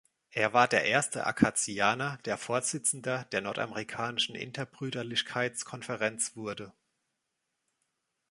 Er war der erste Akazianer, der Vorsitzender der Nordamerikanischen Interbrüderlichkeitskonferenz wurde.